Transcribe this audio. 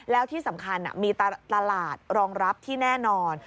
แล้วที่สำคัญมีตลาดรองรับที่แน่นอน